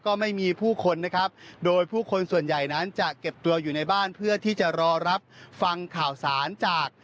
ก็ไม่มีผู้คนนะครับโดยผู้คนส่วนใหญ่นั้นจะเก็บตัวอยู่ในบ้านเพื่อที่จะรอรับฟังข่าวสารจาก